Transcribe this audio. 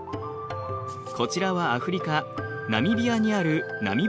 こちらはアフリカナミビアにあるナミブ砂漠。